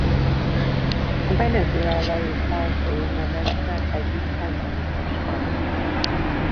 A venezuelai Tuy-folyómedence egyik endemikus hala.